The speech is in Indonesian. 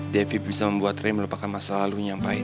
devi bisa membuat rey melupakan masa lalu nyampain